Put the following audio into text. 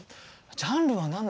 ジャンルは何だ？